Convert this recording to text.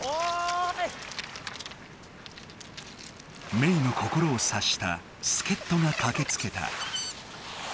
メイの心をさっしたすけっとがかけつけた。